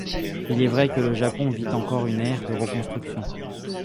Il est vrai que le Japon vit encore une ère de reconstruction.